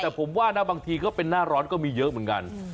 แต่ผมว่านะบางทีก็เป็นหน้าร้อนก็มีเยอะเหมือนกัน